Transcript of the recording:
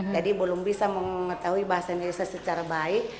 jadi belum bisa mengetahui bahasa indonesia secara baik